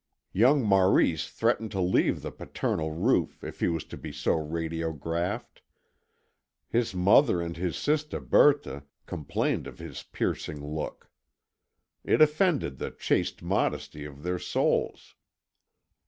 Young Maurice threatened to leave the paternal roof if he was to be so radiographed. His mother and his sister Berthe complained of his piercing look; it offended the chaste modesty of their souls.